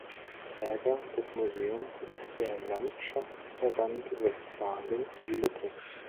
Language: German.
Träger des Museums ist der Landschaftsverband Westfalen-Lippe.